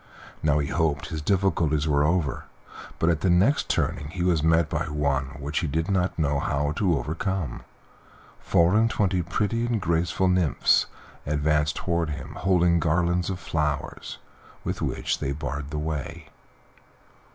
Now he hoped his difficulties were over, but at the next turning he was met by one which he did not know how to overcome. Four and twenty pretty and graceful nymphs advanced toward him, holding garlands of flowers, with which they barred the way.